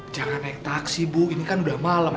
jangan naik taksi bu ini kan udah malam